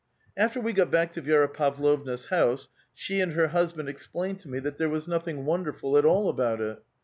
After we got back to Vi^ra Pavlovna's house, sho and her husband explained to me that there was nothing wonderful at all about it.